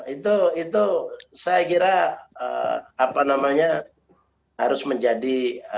itu saya kira harus menjadi